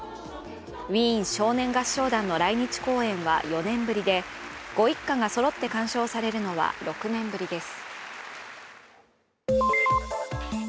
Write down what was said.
ウィーン少年合唱団の来日公演は４年ぶりでご一家がそろって鑑賞されるのは６年ぶりです。